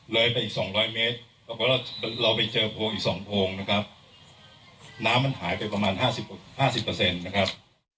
เลยไปอีก๒๐๐เมตรปรากฏว่าเราไปเจอโพงอีก๒โพงนะครับน้ำมันหายไปประมาณ๕๐นะครับ